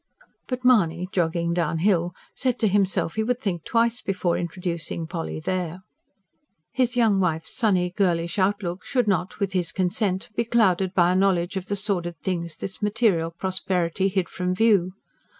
But Mahony, jogging downhill, said to himself he would think twice before introducing Polly there. His young wife's sunny, girlish outlook should not, with his consent, be clouded by a knowledge of the sordid things this material prosperity hid from view.